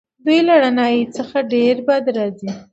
دوی له رڼایي څخه ډېر بد راځي.